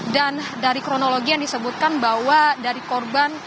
dan dari kronologi yang disebutkan bahwa dari korban